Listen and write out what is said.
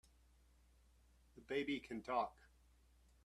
The baby can TALK!